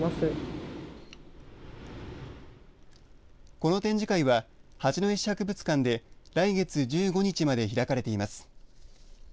この展示会は八戸市博物館で来月１５日まで開かれています。